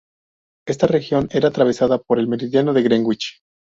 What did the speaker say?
Esta región era atravesada por el Meridiano de Greenwich.